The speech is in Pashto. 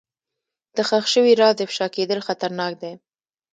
د ښخ شوي راز افشا کېدل خطرناک دي.